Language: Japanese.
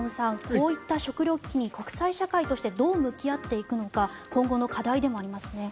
こういった食糧危機に国際社会としてどう向き合っていくのか今後の課題でもありますね。